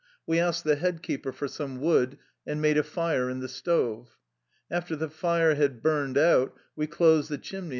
We asked the head keeper for some wood, and made a fire in the stove. After the fire had burned out, we 'closed the chimney